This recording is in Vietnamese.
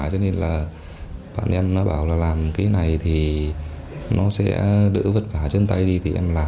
cho nên là bọn em bảo là làm cái này thì nó sẽ đỡ vất vả chân tay đi thì em làm